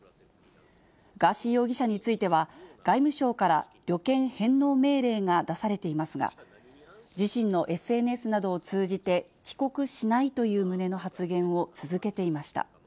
ガーシー容疑者については、外務省から旅券返納命令が出されていますが、自身のＳＮＳなどを通じて、帰国しないという旨の発言を続けていました。